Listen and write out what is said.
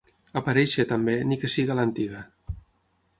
Aparèixer, també, ni que sigui a l'antiga.